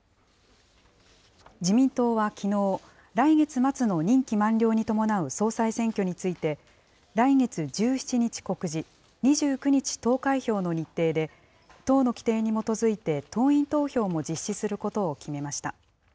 自民党はきのう、来月末の任期満了に伴う総裁選挙について、来月１７日告示、２９日投開票の日程で、党の規程に基づいて党員投票も実施することを決めました。